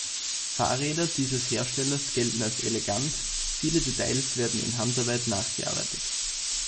Fahrräder dieses Herstellers gelten als elegant, viele Details werden in Handarbeit nachgearbeitet.